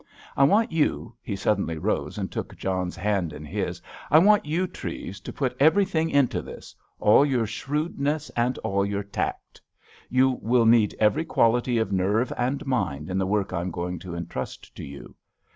I want you"—he suddenly rose and took John's hand in his—"I want you, Treves, to put everything into this—all your shrewdness and all your tact. You will need every quality of nerve and mind in the work I am going to entrust to you.